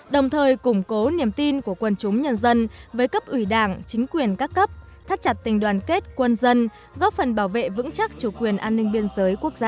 đồng thời củng cố niềm tin của quân chúng nhân dân với cấp ủy đảng chính quyền các cấp thắt chặt tình đoàn kết quân dân góp phần bảo vệ vững chắc chủ quyền an ninh biên giới quốc gia